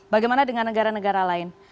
bagaimana dengan negara negara lain